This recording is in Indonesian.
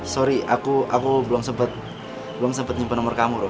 sorry aku belum sempat nyempen nomor kamu roro